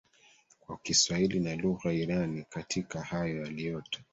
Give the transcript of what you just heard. kwa Kiswahili na lugha irani katika hayo yaliyota